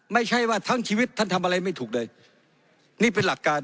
ไม่ใช่ว่าทั้งชีวิตท่านทำอะไรไม่ถูกเลยนี่เป็นหลักการ